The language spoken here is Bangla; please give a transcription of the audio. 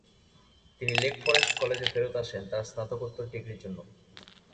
তিনি লেক ফরেস্ট কলেজে ফেরত আসেন তার স্নাতকোত্তর ডিগ্রীর জন্য।